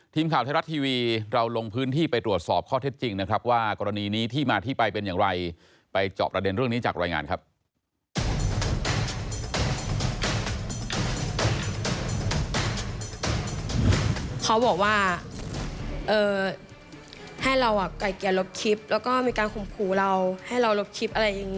ทีมข่าวไทยรัฐทีวีเราลงพื้นที่ไปตรวจสอบข้อเท็จจริงนะครับว่ากรณีนี้ที่มาที่ไปเป็นอย่างไรไปจอบประเด็นเรื่องนี้จากรายงานครับ